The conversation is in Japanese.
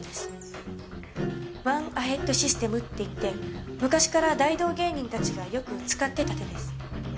ワン・アヘッド・システムっていって昔から大道芸人たちがよく使ってた手です。